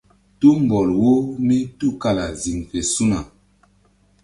Tumbɔl wo mí tukala ziŋfe su̧na.